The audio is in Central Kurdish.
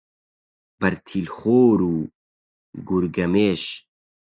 بەرتیل خۆر و گورگەمێش